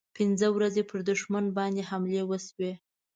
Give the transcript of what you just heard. پنځه ورځې پر دښمن باندې حملې وشوې.